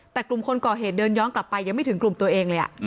แต่กลุ่มคนก่อเหตุเดินย้อนกลับไปยังไม่ถึงกลุ่มตัวเองเลย